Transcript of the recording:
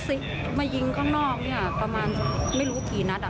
เราแยกเขาออกเลยตั้งแต่นาย